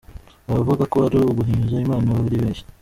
Abavuga ko ari uguhinyuza Imana baribeshya.